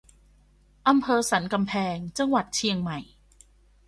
อำเภอสันกำแพง จังหวัดเชียงใหม่